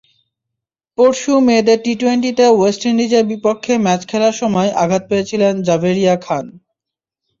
পরশু মেয়েদের টি-টোয়েন্টিতে ওয়েস্ট ইন্ডিজের বিপক্ষে ম্যাচ খেলার সময় আঘাত পেয়েছিলেন জাভেরিয়া খান।